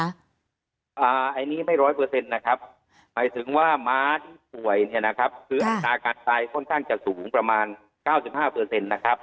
อันนี้ไม่ร้อยเปอร์เซ็นต์นะครับหมายถึงว่าม้าที่ป่วยเนี่ยนะครับคืออัตราการตายค่อนข้างจะสูงประมาณ๙๕นะครับ